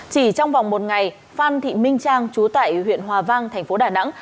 chỉ trong vòng một ngày phan thị minh trang trú tại huyện hòa vang thành phố đà nẵng